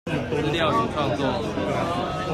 資料與創作